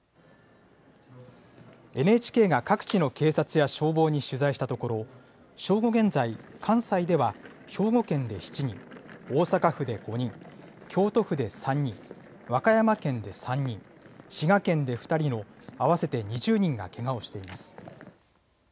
ＮＨＫが各地の警察や消防に取材したところ、正午現在、関西では兵庫県で７人、大阪府で５人、京都府で３人、和歌山県で３人、滋賀県で２人の、合わせて２０人がけがをしています。